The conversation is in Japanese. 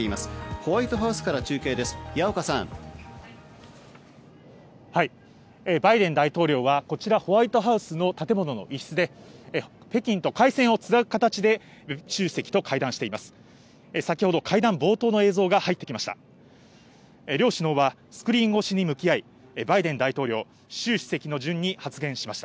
ホワイトハウスからバイデン大統領はこちらホワイトハウスの建物の一室で北京と回線をつなぐ形でシュウ主席と会談しています。